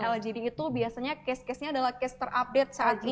lgd itu biasanya case case nya adalah case terupdate saat ini